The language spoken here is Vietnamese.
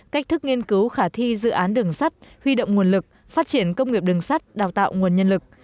cách thức nghiên cứu khả thi dự án đường sắt huy động nguồn lực phát triển công nghiệp đường sắt đào tạo nguồn nhân lực